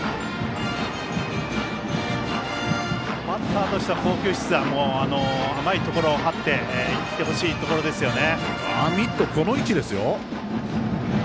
バッターとしては好球必打甘いところを張っていってほしいところですよね。